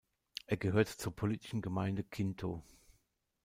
Es gehört zur politischen Gemeinde Quinto.